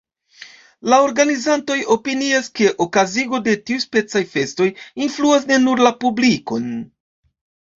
La organizantoj opinias, ke okazigo de tiuspecaj festoj influas ne nur la publikon.